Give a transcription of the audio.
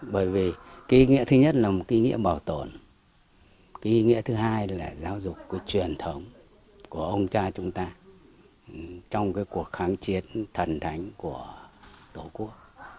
bởi vì ý nghĩa thứ nhất là ý nghĩa bảo tồn ý nghĩa thứ hai là giáo dục cái truyền thống của ông cha chúng ta trong cái cuộc kháng chiến thần thánh của tổ quốc